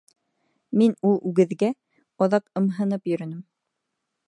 — Мин ул үгеҙгә оҙаҡ ымһынып йөрөнөм.